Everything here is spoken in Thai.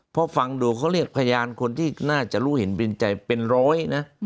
เพราะฟังดูเขาเรียกพยานคนที่น่าจะรู้เห็นเป็นใจเป็นร้อยนะ